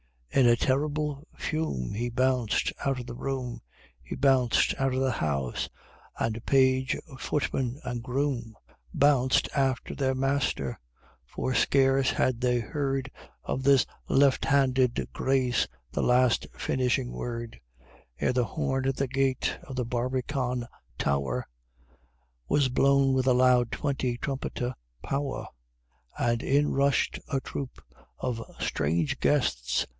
In a terrible fume He bounced out of the room, He bounced out of the house and page, footman, and groom Bounced after their master; for scarce had they heard Of this left handed grace the last finishing word, Ere the horn at the gate of the Barbican tower Was blown with a loud twenty trumpeter power, And in rush'd a troop Of strange guests!